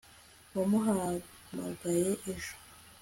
wamuhamagaye ejo